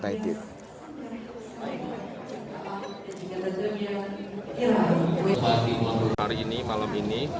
hari ini malam ini